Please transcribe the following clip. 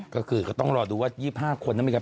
ก็คือก็ต้องรอดูว่า๒๕คนนั้นไหมครับ